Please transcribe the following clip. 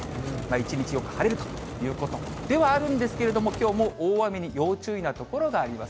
一日よく晴れるということではあるんですけれども、きょうも大雨に要注意な所があります。